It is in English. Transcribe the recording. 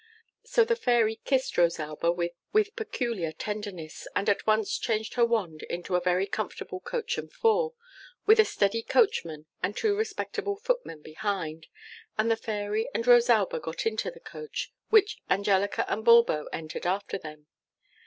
So the Fairy kissed Rosalba with peculiar tenderness, and at once changed her wand into a very comfortable coach and four, with a steady coachman, and two respectable footmen behind, and the Fairy and Rosalba got into the coach, which Angelica and Bulbo entered after them.